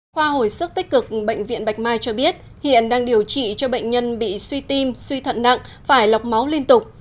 khoa hồi sức tích cực bệnh viện bạch mai cho biết hiện đang điều trị cho bệnh nhân bị suy tim suy thận nặng phải lọc máu liên tục